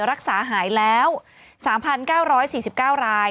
รักษาหายแล้ว๓๙๔๙ราย